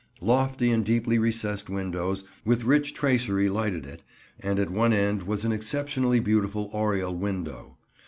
Lofty and deeply recessed windows, with rich tracery lighted it, and at one end was an exceptionally beautiful oriel window.